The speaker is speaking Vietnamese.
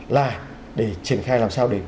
là để triển khai làm sao để